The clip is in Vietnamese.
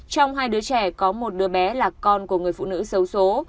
trong hai đứa trẻ có một đứa bé là con của người phụ nữ xấu xố